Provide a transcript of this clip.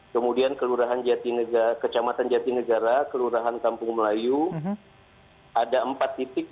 kemudian kelurahan jati negara kecamatan jati negara kelurahan kampung melayu ada empat titik